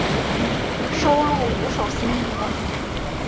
收录五首新歌。